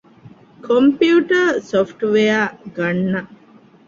ކޮމްޕިއުޓަރ ސޮފްޓްވެއަރ ގަންނަން